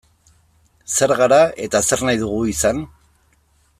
Zer gara eta zer nahi dugu izan?